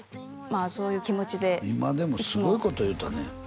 あそういう気持ちで今でもすごいこと言うたね